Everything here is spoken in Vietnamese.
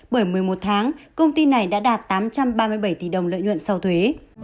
bởi một mươi một tháng công ty này đã đạt tám trăm ba mươi bảy tỷ đồng lợi nhuận sau thuế